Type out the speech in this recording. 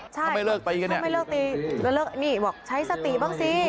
ใช่ถ้าไม่เลิกตีกันเนี้ยถ้าไม่เลิกตีกันเนี้ยเลิกนี่บอกใช้สติบ้างสิ